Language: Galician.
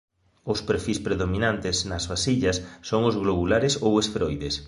Os perfís predominantes nas vasillas son os globulares ou esferoides.